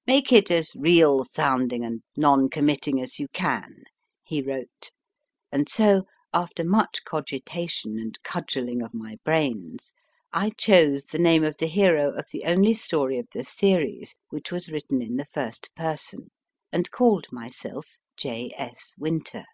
* Make it as real sounding and non committing as you can/ he wrote, and so, after much cogitation and cudgelling of my brains, I chose the name of the hero of the only story of the series which was written in the first person, and called myself J. S. Winter.